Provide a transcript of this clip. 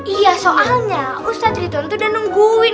iya soalnya ustaz riton tuh udah nungguin